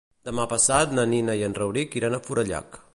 Demà passat na Nina i en Rauric iran a Forallac.